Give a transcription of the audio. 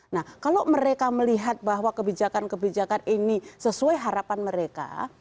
nah kalau mereka melihat bahwa kebijakan kebijakan ini sesuai harapan mereka